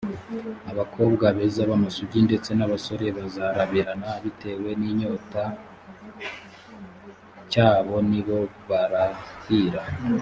abakobwa beza b amasugi ndetse n abasore bazarabirana bitewe n inyota c abo ni bo barahira